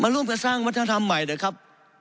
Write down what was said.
ร่วมกันสร้างวัฒนธรรมใหม่นะครับ